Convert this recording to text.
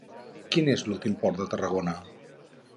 Quin és l'últim port de Tarragona?